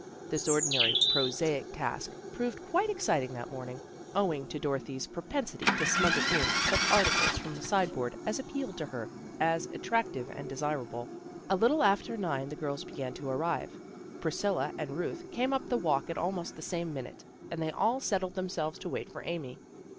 This ordinarily prosaic task proved quite exciting that morning, owing to Dorothy's propensity to smuggle in such ar MAKING FRIENDS 37 tides from the sideboard as appealed to her as attractive and desirable. A little after nine the girls began to arrive. Priscilla and Ruth came up the walk at almost the same minute, and they all settled them selves to wait for Amy.